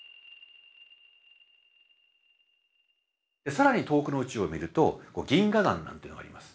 更に遠くの宇宙を見ると銀河団なんていうのがあります。